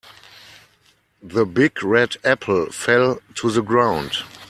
The big red apple fell to the ground.